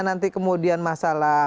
nanti kemudian masalah